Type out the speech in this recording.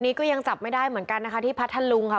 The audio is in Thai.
ก็ยังจับไม่ได้เหมือนกันนะคะที่พัทธลุงค่ะ